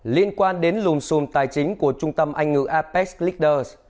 liên quan đến lùm xùm tài chính của trung tâm anh ngữ apex leaders